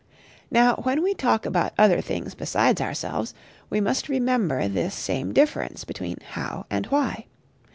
Now when we talk about other things beside ourselves, we must remember this same difference between How and Why.